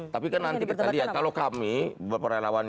tapi kan nanti kita lihat kalau kami beberapa relawan